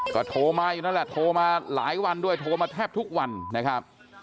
ก็โทรมาอยู่นั่นแหละโทรมาหลายวันด้วยโทรมาแทบทุกวันนะครับ